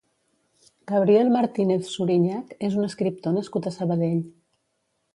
Gabriel Martínez Surinyac és un escriptor nascut a Sabadell.